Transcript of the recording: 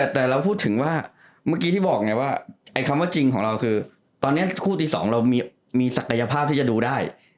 แต่เราพูดถึงว่าเมื่อกี้ที่บอกไงว่าคำว่าจริงของเราคือตอนนี้คู่ที่๒เรามีศักยภาพที่จะดูได้